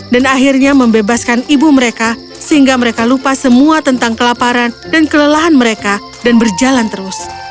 dan akhirnya membebaskan ibu mereka sehingga mereka lupa semua tentang kelaparan dan kelelahan mereka dan berjalan terus